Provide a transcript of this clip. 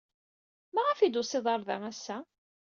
Maɣef ay d-tusid ɣer da ass-a?